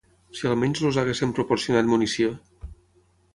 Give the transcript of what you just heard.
Si almenys els haguessin proporcionat munició!